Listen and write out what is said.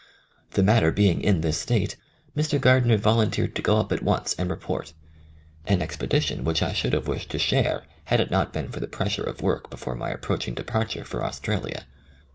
The matter being in this state, Mr. Gard ner volunteered to go up at once and report — an expedition which I should have wished to share had it not been for the pressure of work before my approaching departure for Australia.